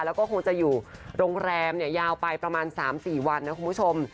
แล้วก็คงจะอยู่โรงแรมยาวไปประมาณ๓๔วันนะคุณผู้ชม